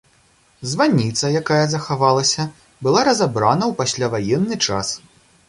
Званіца, якая захавалася, была разабрана ў пасляваенны час.